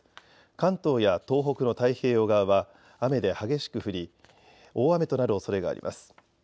関東や東北の太平洋側は雨で激しく降り大雨となるおそれがあります。